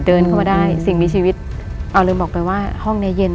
เดินเข้ามาได้สิ่งมีชีวิตเอาเลยบอกไปว่าห้องเนี้ยเย็น